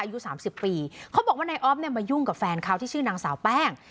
อายุสามสิบปีเขาบอกว่านายออฟเนี่ยมายุ่งกับแฟนเขาที่ชื่อนางสาวแป้ง